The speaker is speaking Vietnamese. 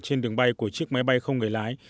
trên đường bay của chiếc máy bay không người lái